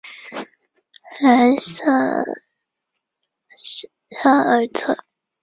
莱瑟萨尔特。